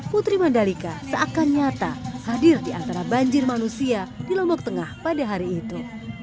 putri mandalika seakan nyata hadir di antara banjir manusia di lombok tengah pada hari itu